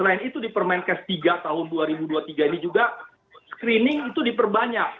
nah ini juga di permen kes tiga tahun dua ribu dua puluh tiga ini juga screening itu diperbanyak